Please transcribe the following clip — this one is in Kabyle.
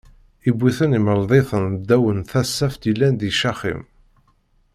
Iwwi-ten imeḍl-iten ddaw n tasaft yellan di Caxim.